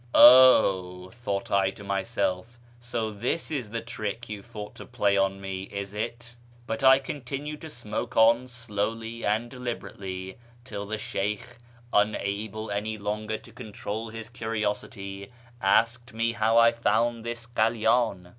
Oh," thought I to myself, " so this is the trick you thought to play on me, is it ?" But I continued to smoke on slowly and deliberately till the Sheykh, unable any longer to control his curiosity, asked me how I found the halydn.